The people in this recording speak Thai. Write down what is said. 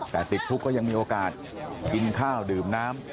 แต่ติดคุกก็ยังมีโอกาสกินข้าวดื่มน้ำ